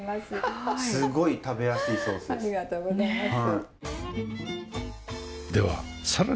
すごい食べやすいソースです。